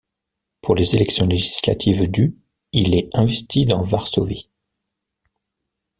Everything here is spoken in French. Pour les élections législatives du, il est investi dans Varsovie-.